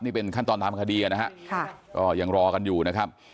นี่เป็นขั้นตอนตามคดีนะฮะก็ยังรอกันอยู่นะครับ